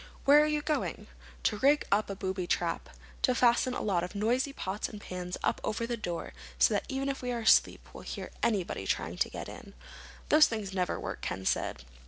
"Where are you going?" "To rig up a booby trap. To fasten a lot of noisy pots and pans up over the door, so that even if we are asleep we'll hear anybody trying to get in." "Those things never work," Ken said.